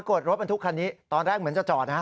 รถบรรทุกคันนี้ตอนแรกเหมือนจะจอดนะ